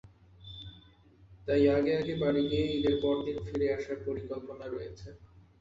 তাই আগে আগে বাড়ি গিয়ে ঈদের পরদিন ফিরে আসার পরিকল্পনা রয়েছে।